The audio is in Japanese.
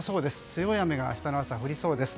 強い雨が明日朝は降りそうです。